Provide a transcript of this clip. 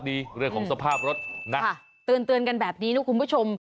ตื่นเตือนกันแบบนี้นะคุณผู้ชม